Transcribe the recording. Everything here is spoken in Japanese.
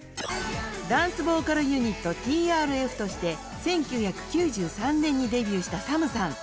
ダンスボーカルユニットＴＲＦとして１９９３年にデビューしたＳＡＭさん